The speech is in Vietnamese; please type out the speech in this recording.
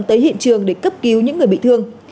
tới hiện trường để cấp cứu những người bị thương